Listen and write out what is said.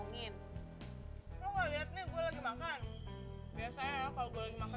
nunggu makan dulu sekolah lupa